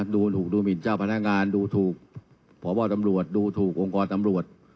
ดูถูกดูหมินเจ้าพนักงานดูถูกพบตำรวจดูถูกองค์กรตำรวจ